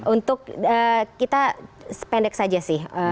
untuk kita sependek saja sih